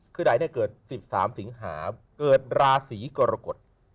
คือไหนเกิด๑๓สิงหาเกิดราศีกรกฎ